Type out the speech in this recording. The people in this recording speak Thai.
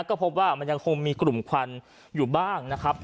ก็พบว่ามันยังคงมีกลุ่มควันอยู่บ้างนะครับ